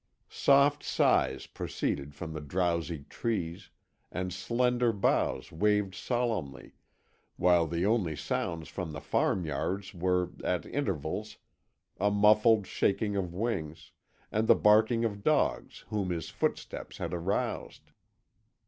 Soft sighs proceeded from the drowsy trees, and slender boughs waved solemnly, while the only sounds from the farmyards were, at intervals, a muffled shaking of wings, and the barking of dogs whom his footsteps had aroused.